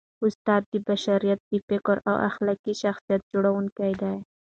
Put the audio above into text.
استاد د بشریت د فکري او اخلاقي شخصیت جوړوونکی دی.